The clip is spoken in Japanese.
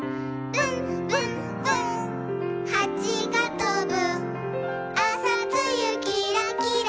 「ぶんぶんぶんはちがとぶ」